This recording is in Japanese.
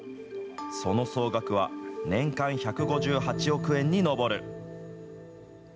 その総額は年間１５８億円に上る。